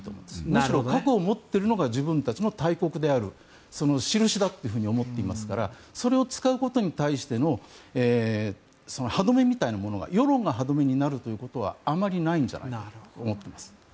むしろ核を持っているのが自分たちの大国であるそのしるしだと思っていますからそれを使うことに対しての歯止めみたいなものが世論が歯止めになるということはあまりないんじゃないかと思っています。